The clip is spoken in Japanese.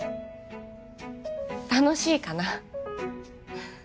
楽しいかな。